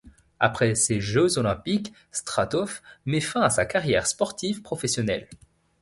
Après ces Jeux Olympiques, Straathof met fin à sa carrière sportive professionnelle.